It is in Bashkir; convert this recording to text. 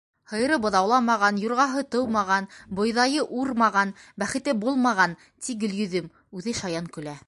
Һыйыры быҙауламаған, юрғаһы тыумаған, бойҙайы урмаған, бәхете булмаған, — ти Гөлйөҙөм, үҙе шаян көлә.